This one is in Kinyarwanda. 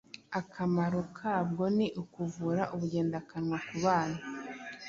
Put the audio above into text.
akamaro kabwo ni ukuvura ubugendakanwa ku bana